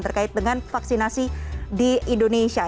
terkait dengan vaksinasi di indonesia